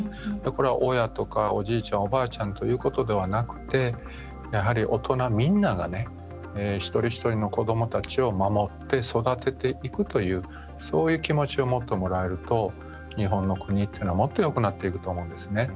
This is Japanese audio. これは、親とかおじいちゃん、おばあちゃんということではなくて大人、みんなが一人一人の子どもたちを守って育てていくというそういう気持ちを持ってもらえると日本の国はもっとよくなると思うんですね。